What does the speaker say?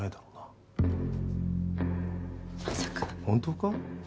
本当か？